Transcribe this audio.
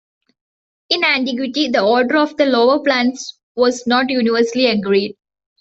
In antiquity the order of the lower planets was not universally agreed.